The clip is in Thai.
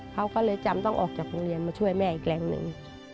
เขาก็เลยจำต้องออกจากโรงเรียนมาช่วยแม่อีกแรงหนึ่ง